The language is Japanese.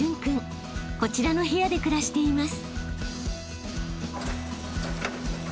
［こちらの部屋で暮らしています］